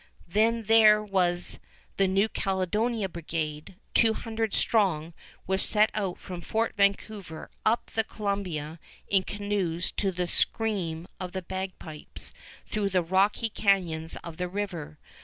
Then there was the New Caledonia Brigade, two hundred strong, which set out from Fort Vancouver up the Columbia in canoes to the scream of the bagpipes through the rocky canyons of the river.